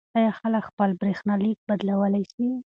آیا خلک خپل برخلیک بدلولی سي؟